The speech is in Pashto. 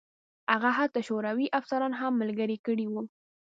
هغه حتی شوروي افسران هم ملګري کړي وو